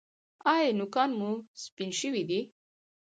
ایا نوکان مو سپین شوي دي؟